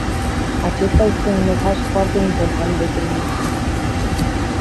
Acesta este un mesaj foarte important de trimis.